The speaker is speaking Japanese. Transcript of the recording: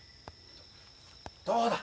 どうだ？